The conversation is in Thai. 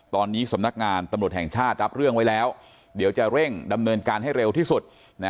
ตอนนี้สำนักงานตำรวจแห่งชาติรับเรื่องไว้แล้วเดี๋ยวจะเร่งดำเนินการให้เร็วที่สุด